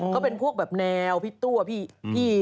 เขาเป็นแนวพี่ตัวพี่